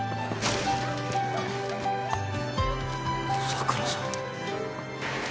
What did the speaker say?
桜さん。